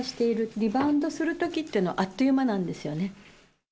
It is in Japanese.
リバウンドするときっていうのは、あっという間なんですよね。